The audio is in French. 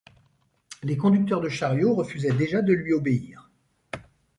Les conducteurs de chariots refusaient déjà de lui obéir.